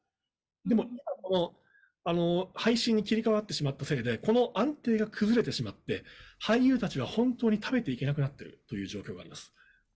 でも配信に切り替わってしまったせいで、この安定が崩れてしまって、俳優たちが本当に食べていけなくなってるという状況があります。